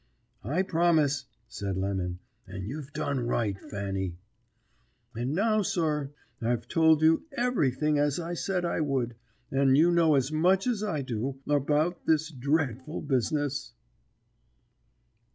"'I promise,' said Lemon, 'and you've done right, Fanny.' "And now, sir, I've told you everything as I said I would, and you know as much as I do about this dreadful business."